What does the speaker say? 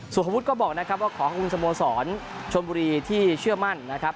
สุภวุฒิก็บอกนะครับว่าขอบคุณสโมสรชนบุรีที่เชื่อมั่นนะครับ